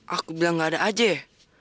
aku bilang gak ada aja ya